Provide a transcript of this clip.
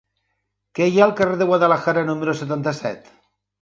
Què hi ha al carrer de Guadalajara número setanta-set?